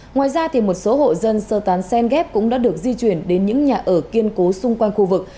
ngoài ra một số hộ dân sơ tán sen ghép cũng đã được di chuyển đến những nhà ở kiên cố xung quanh khu vực